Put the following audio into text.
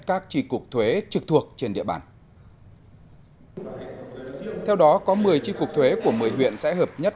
các tri cục thuế trực thuộc trên địa bàn theo đó có một mươi tri cục thuế của một mươi huyện sẽ hợp nhất